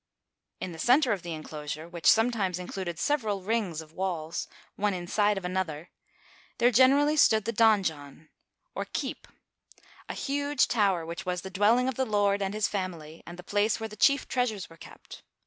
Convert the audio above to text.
In the center of the inclosure, which sometimes included several rings of walk, one inside of another, there generally stood the donjon, or keep, a huge tower which was the dwelling of the lord and his fam ily, and the place where the chief treasures were kept.